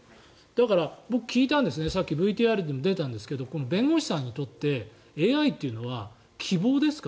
だから、僕、聞いたんですねさっきＶＴＲにも出ていたんですがこの弁護士さんにとってＡＩというのは希望ですか？